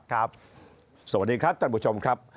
สวัสดีครับท่านผู้ชมครับ